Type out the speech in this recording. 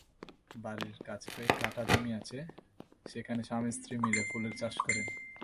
বাড়ির কাছেকয়েক কাঠা জমি আছে, সেখানে স্বামী-স্ত্রী মিলে ফুলের চাষ করেন।